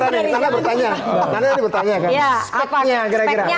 karena bertanya karena bertanya kan speknya kira kira